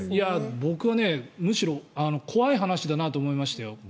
僕はむしろ怖い話だなと思いましたよ